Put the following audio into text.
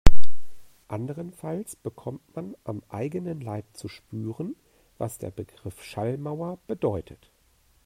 Andernfalls bekommt man am eigenen Leib zu spüren, was der Begriff Schallmauer bedeutet.